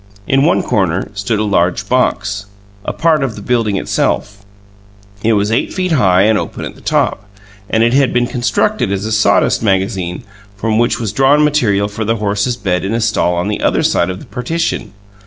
In one corner stood a large box, a part of the building itself: it was eight feet high and open at the top, and it had been constructed as a sawdust magazine from which was drawn material for the horse's bed in a stall on the other side of the partition.